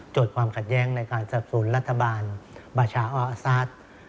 ความขัดแย้งในการสนับสนุนรัฐบาลบาชาออาซาส